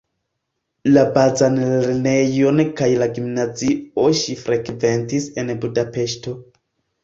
La bazan lernejon kaj la gimnazion ŝi frekventis en Budapeŝto.